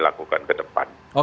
lakukan ke depan